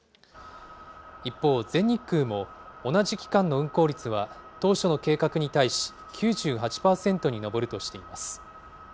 一方、全日空も同じ期間の運航率は、当初の計画に対し、９８％に上るとしています。